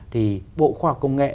thì bộ khoa công nghệ